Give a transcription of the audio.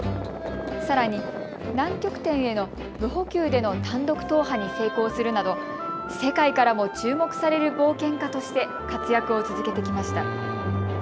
さらに南極点への無補給での単独踏破に成功するなど世界からも注目される冒険家として活躍を続けてきました。